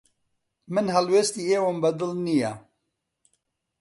من هەڵوێستی ئێوەم بەدڵ نییە.